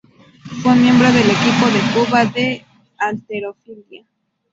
Fue miembro del equipo de Cuba de halterofilia.